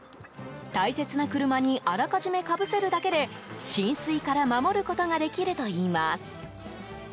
大切な車にあらかじめかぶせるだけで浸水から守ることができるといいます。